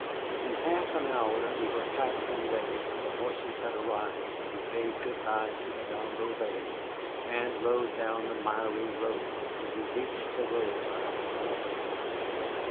In half an hour we were packed and ready, the horses had arrived, we bade good by to Madame Bouvet and rode down the miry street until we reached the road behind the levee.